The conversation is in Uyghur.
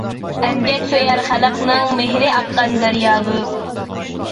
ئەمگەك سۆيەر خەلقنىڭ، مېھرى ئاققان دەريادۇر.